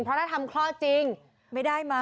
เพราะถ้าทำคลอดจริงไม่ได้มา